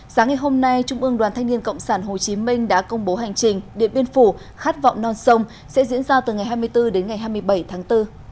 sáng ngày hôm nay trung ương đoàn thanh niên cộng sản hồ chí minh đã công bố hành trình điện biên phủ khát vọng non sông sẽ diễn ra từ ngày hai mươi bốn đến ngày hai mươi bảy tháng bốn